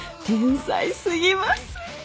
天才すぎます！